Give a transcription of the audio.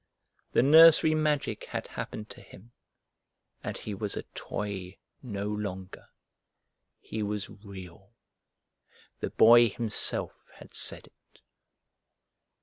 The nursery magic had happened to him, and he was a toy no longer. He was Real. The Boy himself had said it.